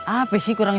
apa sih kurangnya